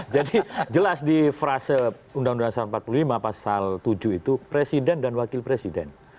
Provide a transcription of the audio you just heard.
jadi jelas di frase undang undang seribu sembilan ratus empat puluh lima pasal tujuh itu presiden dan wakil presiden